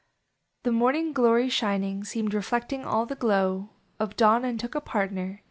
The Morning Glory shining Seemed reflecting all the glow Of dawn, and took a partner; Jl \va.